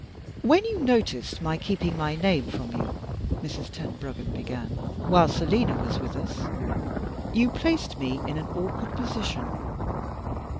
"When you noticed my keeping my name from you," Mrs. Tenbruggen began, "while Selina was with us, you placed me in an awkward position.